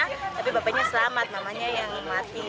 tapi bapaknya selamat mamanya yang mati dengan adik kakaknya